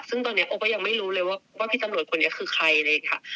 ซึ่งตอนนี้โอ๊คก็ยังไม่รู้เลยว่าพี่ตำรวจคนนี้คือใครเลยค่ะ